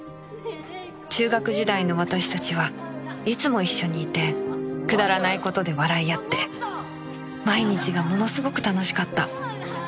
中学時代の私たちはいつも一緒にいてくだらない事で笑い合って毎日がものすごく楽しかった